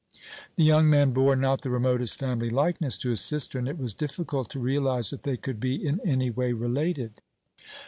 The young man bore not the remotest family likeness to his sister, and it was difficult to realize that they could be in any way related.